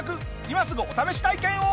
今すぐお試し体験を。